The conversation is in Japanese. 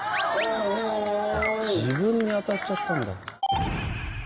自分に当たっちゃったんだ。